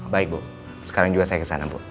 baik bu sekarang juga saya kesana bu